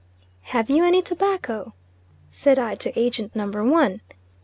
"Have you any tobacco?" said I to Agent number one.